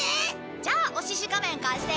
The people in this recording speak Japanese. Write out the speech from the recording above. じゃあ『オシシ仮面』貸して。